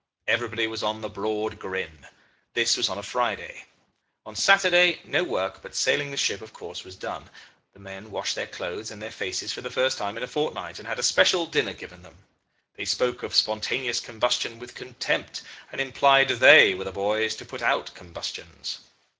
Everybody was on the broad grin. This was on a Friday. On Saturday no work, but sailing the ship of course was done. The men washed their clothes and their faces for the first time in a fortnight, and had a special dinner given them. They spoke of spontaneous combustion with contempt, and implied they were the boys to put out combustions.